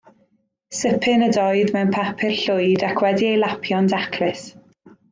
Sypyn ydoedd mewn papur llwyd, ac wedi ei lapio yn daclus.